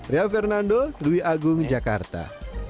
ria fernando dwi agung jakarta